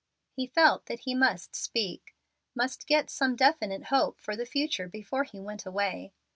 He felt that he must speak must get some definite hope for the future before he went away.